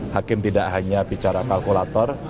hakim tidak hanya bicara kalkulator